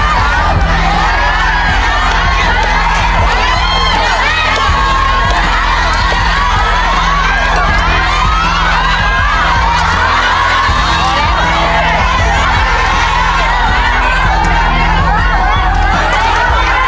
ระวังมือระวังมือระวังมือ